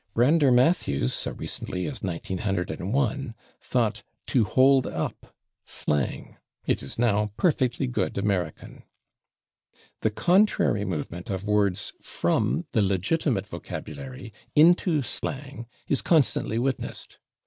Brander Matthews, so recently as 1901, thought /to hold up/ slang; it is now perfectly good American. The contrary movement of words from the legitimate vocabulary into slang is constantly witnessed.